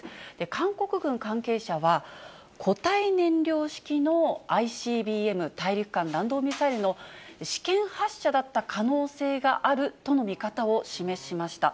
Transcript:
韓国軍関係者は、固体燃料式のＩＣＢＭ・大陸間弾道ミサイルの試験発射だった可能性があるとの見方を示しました。